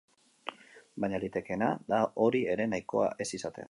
Baina litekeena da hori ere nahikoa ez izatea.